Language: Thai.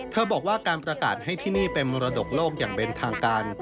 บอกว่าการประกาศให้ที่นี่เป็นมรดกโลกอย่างเป็นทางการ